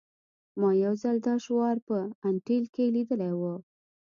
ما یو ځل دا شعار په انټیل کې لیدلی و